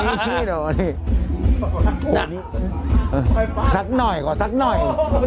อันนี้น่ะน้อยก่อนหน่อย